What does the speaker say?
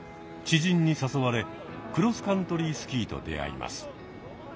知人に誘われクロスカントリースキーと出会います。